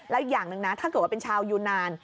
แล้วอย่างหนึ่งนะถ้าเกิดว่าเป็นชาวยูนาน